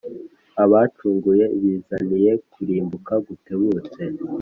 Abacunguye bizaniye kurimbuka gutebutse .